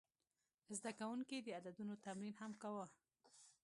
زده کوونکي د عددونو تمرین هم کاوه.